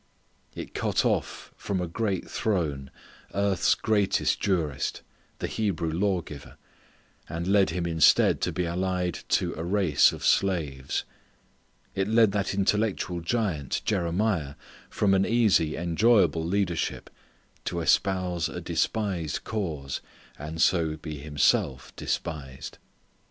It cut off from a great throne earth's greatest jurist, the Hebrew lawgiver, and led him instead to be allied to a race of slaves. It led that intellectual giant Jeremiah from an easy enjoyable leadership to espouse a despised cause and so be himself despised.